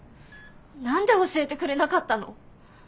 何で教えてくれなかったの？